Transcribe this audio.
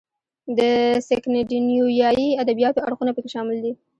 د سکینډینیویايي ادبیاتو اړخونه پکې شامل دي.